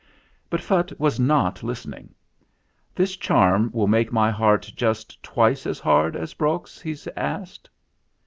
But Phutt was not listening. "This charm will make my heart just twice as hard as Brok's ?" he asked.